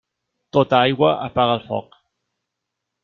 Tota aigua apaga el foc.